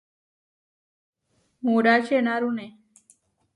Muráči enárune.